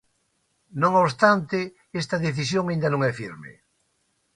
Non obstante, esta decisión aínda non é firme.